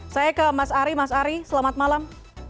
saya ke mas ari mas ari selamat malam